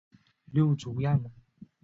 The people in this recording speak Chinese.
六足亚门。